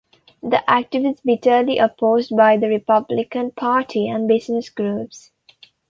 The act was bitterly opposed by the Republican Party and business groups.